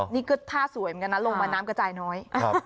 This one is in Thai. นี่ก็ท่าสวยเหมือนกันนะลงมาน้ำกระจายน้อย